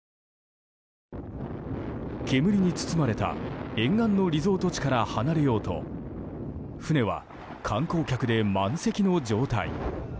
煙に包まれた沿岸のリゾート地から離れようと船は観光客で満席の状態。